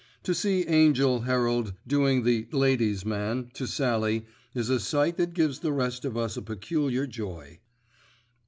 To see Angell Herald doing the "ladies' man" to Sallie is a sight that gives the rest of us a peculiar joy.